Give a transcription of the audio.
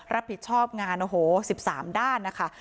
รับผิดชอบงาน๑๓ด้านนะคะ